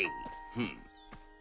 フン。